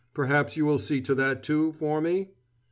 Perhaps you will see to that, too, for me."